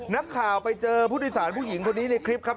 นักข่าวไปเจอผู้โดยสารผู้หญิงคนนี้ในคลิปครับ